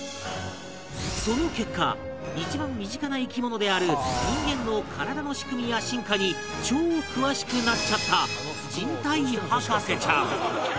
その結果一番身近な生き物である人間の体の仕組みや進化に超詳しくなっちゃった人体博士ちゃん！